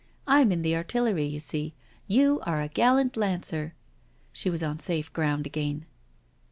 I'm in the artillery^^ you see — you are a gallant lancer I" She was on safe ground again.